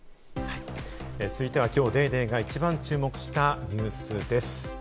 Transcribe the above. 続いては今日『ＤａｙＤａｙ．』が一番注目したニュースです。